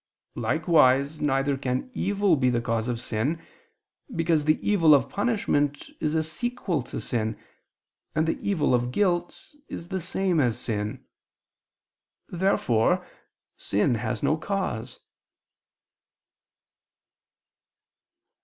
Likewise neither can evil be the cause of sin, because the evil of punishment is a sequel to sin, and the evil of guilt is the same as sin. Therefore sin has no cause.